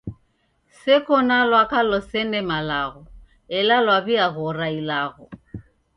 Seko ni lwaka lusene malagho ela lwaw'iaghora ilagho.